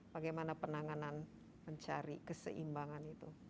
bagaimana penanganan mencari keseimbangan itu